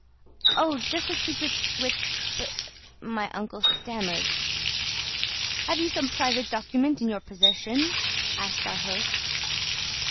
"Oh, just a secret which " my uncle stammered. "Have you some private document in your possession?" asked our host.